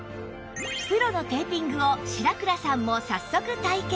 プロのテーピングを白倉さんも早速体験